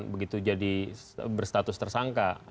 begitu jadi berstatus tersangka